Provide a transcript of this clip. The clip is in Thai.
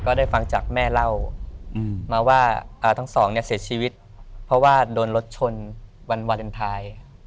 ได้ฟังจากแม่เล่ามาว่าทั้งสองเนี่ยเสียชีวิตเพราะว่าโดนรถชนวันวาเลนไทย